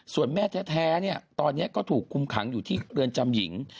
ส่วนแม่แท้ตอนนี้ก็ถูกคุมขังอยู่ที่เรือนจำหญิง